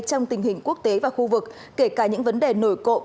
trong tình hình quốc tế và khu vực kể cả những vấn đề nổi cộng